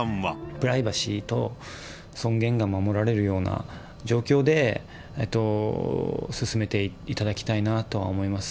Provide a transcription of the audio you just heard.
プライバシーと尊厳が守られるような状況で進めていただきたいなとは思います。